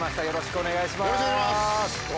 よろしくお願いします。